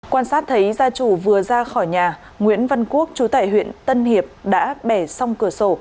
quan sát thấy gia chủ vừa ra khỏi nhà nguyễn văn quốc chú tại huyện tân hiệp đã bẻ xong cửa sổ